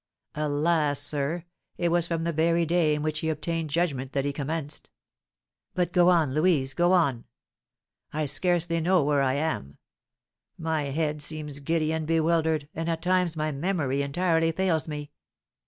"Alas, sir, it was from the very day in which he obtained judgment that he commenced! But, go on, Louise, go on. I scarcely know where I am. My head seems giddy and bewildered, and at times my memory entirely fails me.